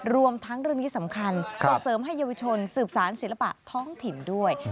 รวมทั้งเรื่องนี้สำคัญส่งเสริมให้เยาวชนสืบสารศิลปะท้องถิ่นด้วย